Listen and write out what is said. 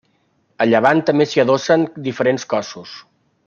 A llevant també s'hi adossen diferents cossos.